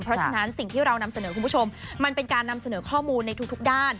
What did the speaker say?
เพราะฉะนั้นสิ่งที่เรานำเสนอคุณผู้ชมมันเป็นการนำเสนอข้อมูลในทุกด้าน